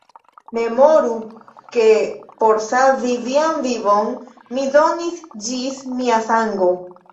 Memoru, ke por savi vian vivon, mi donis ĝis mia sango.